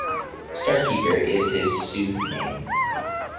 "Star Keeper" is his Sioux name.